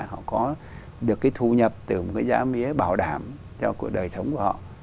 họ có được cái thu nhập từ một cái giá mía bảo đảm cho cuộc đời sống của họ